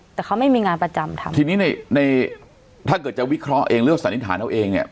แต่เขาไม่มีงานประจำทำทีนี้ในในถ้าเกิดจะวิเคราะห์เองหรือว่าสันนิษฐานเอาเองเนี่ย